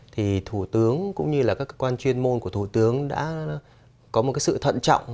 thì thủ tướng cũng như là các cơ quan chuyên môn của thủ tướng đã có một sự thận trọng